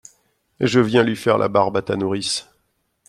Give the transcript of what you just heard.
Je viens lui faire la barbe, à ta nourrice.